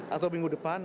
atau minggu depan